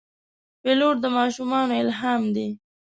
پیلوټ د ماشومانو الهام دی.